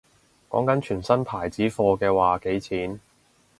講緊全新牌子貨嘅話幾錢